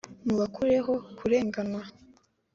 mubakureho kurenganywa.